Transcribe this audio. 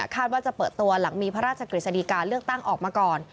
ว่าจะเปิดตัวหลังมีพระราชกฤษฎีการเลือกตั้งออกมาก่อน